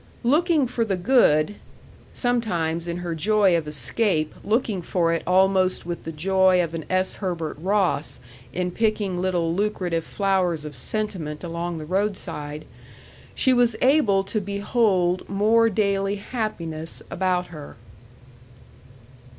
Looking for the good (sometimes, in her joy of escape, looking for it almost with the joy of an S. Herbert Ross in picking little lucrative flowers of sentiment along the roadside) she was able to behold more daily happiness about her.